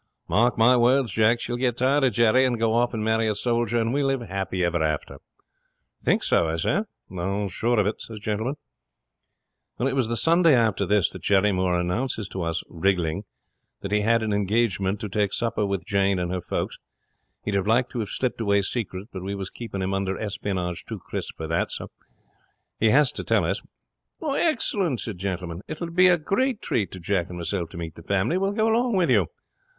Mark my words, Jack. She'll get tired of Jerry, and go off and marry a soldier, and we'll live happy ever after." "Think so?" I says. "Sure of it," said Gentleman. 'It was the Sunday after this that Jerry Moore announces to us, wriggling, that he had an engagement to take supper with Jane and her folks. He'd have liked to have slipped away secret, but we was keeping him under espionage too crisp for that, so he has to tell us. "Excellent," said Gentleman. "It will be a great treat to Jack and myself to meet the family. We will go along with you."